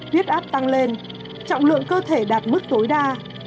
huyết áp tăng lên trọng lượng cơ thể đạt mức tối đa